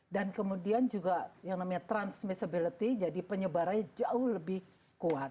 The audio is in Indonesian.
dan kemudian juga yang namanya transmissibility jadi penyebarannya jauh lebih kuat